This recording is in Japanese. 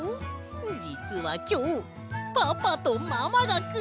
じつはきょうパパとママがくるんだ！